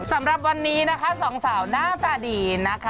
สำหรับวันนี้นะคะสองสาวหน้าตาดีนะคะ